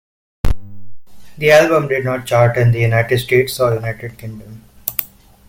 The album did not chart in the United States or United Kingdom.